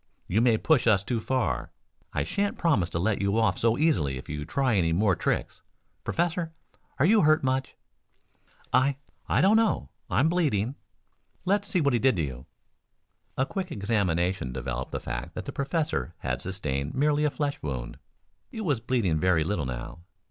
You may push us too far. I shan't promise to let you off so easily if you try any more tricks. Professor, are you much hurt?" "I I don't know. I'm bleeding." "Let's see what he did to you." A quick examination developed the fact that the professor had sustained merely a flesh wound. It was bleeding very little now.